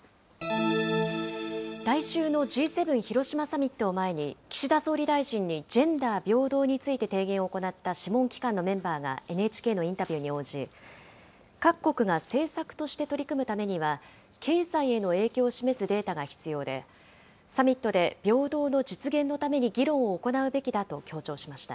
来週のＧ７広島サミットを前に、岸田総理大臣にジェンダー平等について提言を行った諮問機関のメンバーがＮＨＫのインタビューに応じ、各国が政策として取り組むためには、経済への影響を示すデータが必要で、サミットで平等の実現のために議論を行うべきだと強調しました。